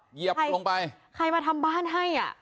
เหยียบลงไปใครมาทำบ้านให้อ่ะ